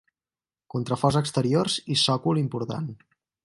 Contraforts exteriors i sòcol important.